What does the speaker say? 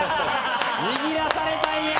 握らされたんや！